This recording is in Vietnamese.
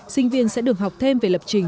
sinh viên sẽ được học thêm về lập trình